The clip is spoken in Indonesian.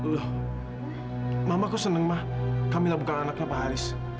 loh mama kok senang ma kamila bukan anaknya pak haris